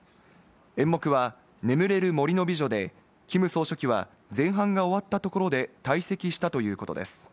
演目は『眠れる森の美女』で、キム総書記は前半が終わったところで退席したということです。